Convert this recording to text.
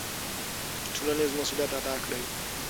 ټولنیز مسوولیت ادا کړئ.